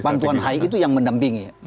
bantuan hi itu yang mendampingi